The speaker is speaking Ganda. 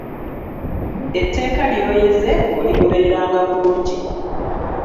Etteeka ly'oyize, oligobereranga bulungi.